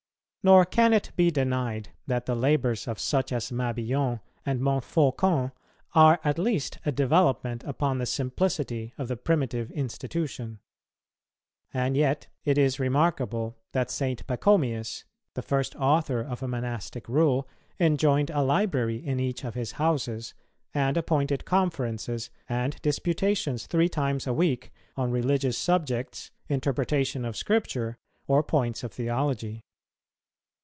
Nor can it be denied that the labours of such as Mabillon and Montfaucon are at least a development upon the simplicity of the primitive institution. And yet it is remarkable that St. Pachomius, the first author of a monastic rule, enjoined a library in each of his houses, and appointed conferences and disputations three times a week on religious subjects, interpretation of Scripture, or points of theology.